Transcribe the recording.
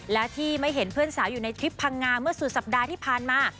และที่ไม่เห็นเพื่อนสาวอยู่ในทริปพังงาเมื่อสุดสัปดาห์ที่ผ่านมา